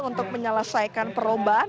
untuk menyelesaikan perlombaan